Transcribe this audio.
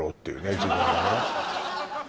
自分がね